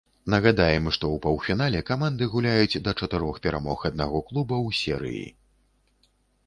Нагадаем, што ў паўфінале каманды гуляюць да чатырох перамог аднаго клуба ў серыі.